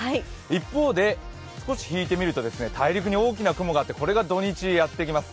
一方で、少し引いてみると、大陸に大きな雲があってこれが土日、やってきます。